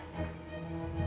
aduh suka banget